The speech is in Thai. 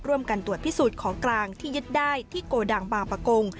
ร่วมกันตรวจพิสูจน์ของกลางที่ยึดได้ที่โกดังบางประกง